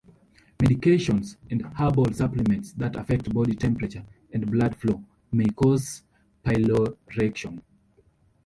Medications and herbal supplements that affect body temperature and blood flow may cause piloerection.